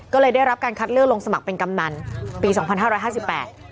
ก็เลยได้รับการคัดเลือกลงสมัครเป็นกำนันปีสองพันห้าร้อยห้าสิบแปด